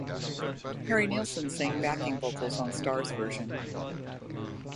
Harry Nilsson sang backing vocals on Starr's version.